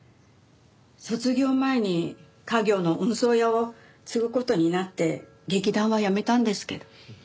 卒業前に家業の運送屋を継ぐ事になって劇団はやめたんですけど。